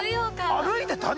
歩いてた？